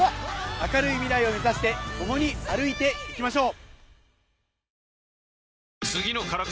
明るい未来を目指して共に歩いて行きましょう。